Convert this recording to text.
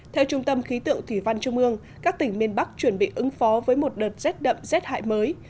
theo trung tâm khí tượng thủy văn trung ương các tỉnh miền bắc chuẩn bị ứng phó với một đợt rét đậm rét hại mới